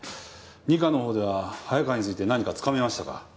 二課のほうでは早川について何かつかめましたか？